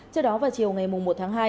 trước đó vào chiều ngày một tháng hai